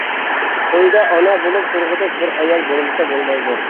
تويدا ئانا بولۇپ تۇرغۇدەك بىر ئايال بولمىسا بولمايدۇ.